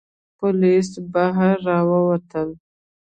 پوليس بهر را ووتل.